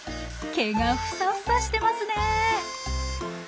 毛がふさふさしてますね。